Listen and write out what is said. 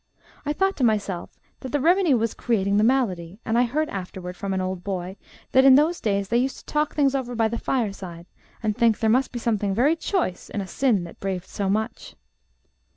I thought to myself that the remedy was creating the malady, and I heard afterward, from an old boy, that in those days they used to talk things over by the fireside, and think there must be something very choice in a sin that braved so much.